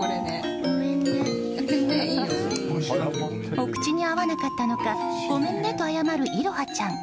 お口に合わなかったのかごめんねと謝る、いろはちゃん。